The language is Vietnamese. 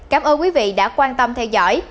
cảm ơn quý vị đã quan tâm theo dõi